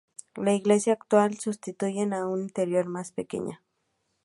La iglesia actual sustituye a una anterior, más pequeña.